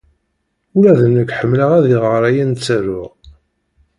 Ula d nekk ḥemmleɣ ad iɣer ayen ttaruɣ.